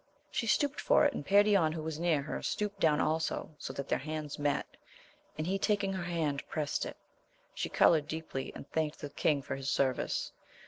She stooped for it and Perion who was near her stooped down also, so that their hands met, and he taking her hand prest it. She coloured deeply and thanked the king for his service.